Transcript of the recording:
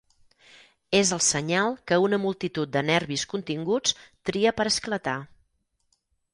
És el senyal que una multitud de nervis continguts tria per esclatar.